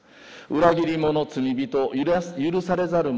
裏切り者罪人許されざる者。